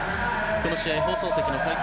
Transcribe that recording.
この試合、放送席の解説